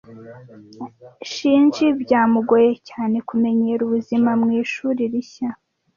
Shinji byamugoye cyane kumenyera ubuzima mwishuri rishya.